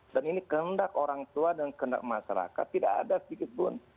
dan ini kehendak orang tua dan kehendak masyarakat tidak ada sedikit pun